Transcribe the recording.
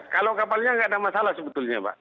kalau kapalnya nggak ada masalah sebetulnya pak